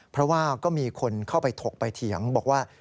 เพราะว่าก็มีคนเข้าไปถกไปเถียงบอกว่า